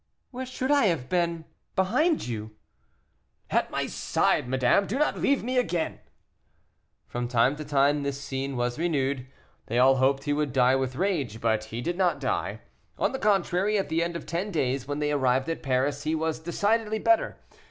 "Where should I have been? Behind you." "At my side, madame; do not leave me again." From time to time this scene was renewed. They all hoped he would die with rage; but he did not die: on the contrary, at the end of ten days, when they arrived at Paris, he was decidedly better.